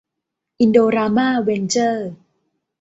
อินโดรามา เวนเจอร์ส